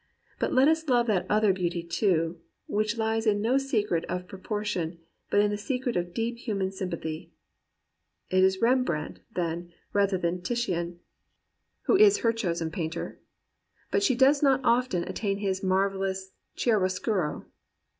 But let us love that other beauty, too, which Ues in no secret of proportion, but in the secret of deep hu man sympathy." It is Rembrandt, then, rather than Titian, who 161 COMPANIONABLE BOOKS is her chosen painter. But she does not often at tain his marvellous chiaroscuro.